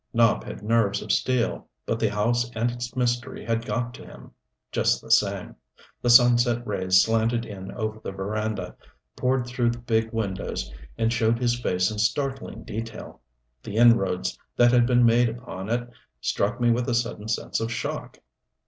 Nopp had nerves of steel; but the house and its mystery had got to him, just the same. The sunset rays slanted in over the veranda, poured through the big windows, and showed his face in startling detail. The inroads that had been made upon it struck me with a sudden sense of shock.